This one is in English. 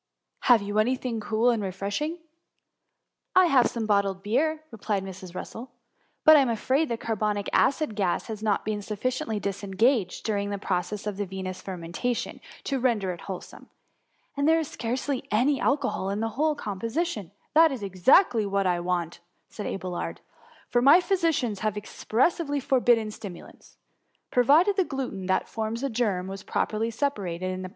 Have you any thing cool and refreshing F" '* I have some bottled beer,'' replied Mrs. Bussel ;^^ but I am afraid the carbonic acid gas has not been sufficiently disengaged during the process of the vinous fermentation to ren der it wholesome; and there is scarcely any alcohol in the whole composition———'' " That is exactly what I want," said Abe lard ;^^ for my physicians have expressly for bidden stimulants. Provided the gluten that forms the germ was properly separated in the 64 THE MUMMY.